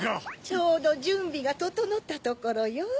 ちょうどじゅんびがととのったところよ。